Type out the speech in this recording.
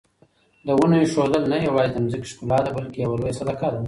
د ونو ایښودل نه یوازې د ځمکې ښکلا ده بلکې یوه لویه صدقه ده.